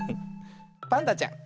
パンダちゃん